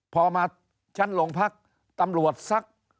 พอมาชั้นโรงพักตำรวจสัก